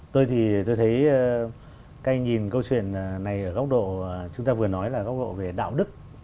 tôi thì tôi thấy cách nhìn câu chuyện này ở góc độ chúng ta vừa nói là góc độ về đạo đức